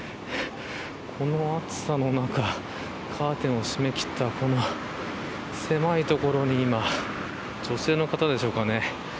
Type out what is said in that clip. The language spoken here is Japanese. この暑さの中カーテンを閉め切った、この狭いところに今女性の方でしょうかね。